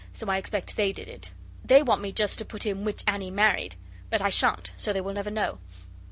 so I expect they did it. They want me just to put in which Annie married, but I shan't, so they will never know.